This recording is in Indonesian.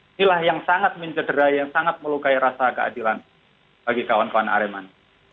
inilah yang sangat mencederai yang sangat melukai rasa keadilan bagi kawan kawan aremani